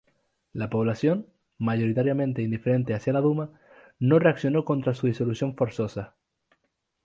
La población, mayoritariamente indiferente hacia la duma, no reaccionó contra su disolución forzosa.